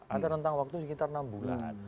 ada rentang waktu sekitar enam bulan